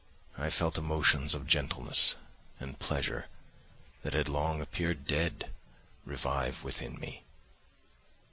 I felt emotions of gentleness and pleasure, that had long appeared dead, revive within me.